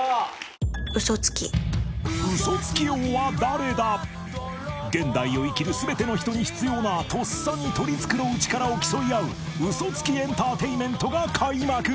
嘘つき現代を生きる全ての人に必要なとっさに取り繕う力を競い合う嘘つきエンターテインメントが開幕！